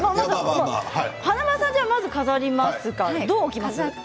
華丸さん、まず飾りますか。